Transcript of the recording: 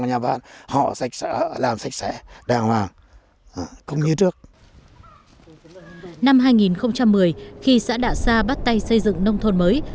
năm hai nghìn một mươi khi xã đạ sa bắt tay xây dựng nông thôn mới